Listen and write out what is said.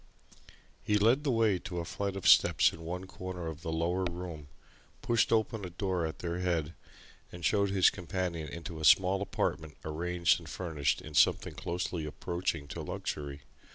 He led the way to a flight of steps in one corner of the lower room, pushed open a door at their head, and showed his companion into a small apartment arranged and furnished in something closely approaching to luxury.